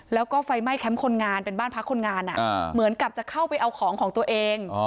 แล้วก็ไฟไหม้แคมป์คนงานเป็นบ้านพักคนงานเหมือนกับจะเข้าไปเอาของของตัวเอง